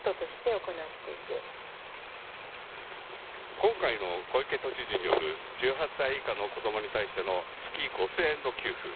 今回の小池都知事による１８歳以下の子どもに対しての月５０００円の給付。